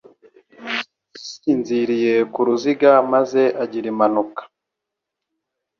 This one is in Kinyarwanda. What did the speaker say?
Yasinziriye ku ruziga maze agira impanuka.